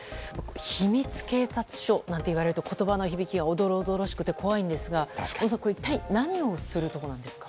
秘密警察署なんて言われると言葉の響きがおどろおどろしくて怖いんですが小野さん、これは一体何をするところなんですか？